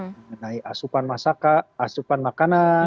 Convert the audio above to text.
mengenai asupan masakan asupan makanan